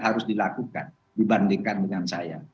harus dilakukan dibandingkan dengan saya